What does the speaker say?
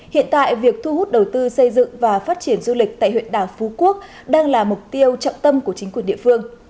hiện tại việc thu hút đầu tư xây dựng và phát triển du lịch tại huyện đảo phú quốc đang là mục tiêu trọng tâm của chính quyền địa phương